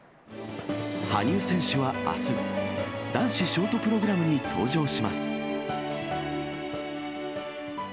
羽生選手はあす、男子ショートプログラムに登場します。